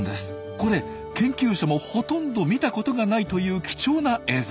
これ研究者もほとんど見たことがないという貴重な映像。